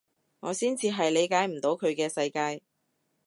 我先至係理解唔到佢嘅世界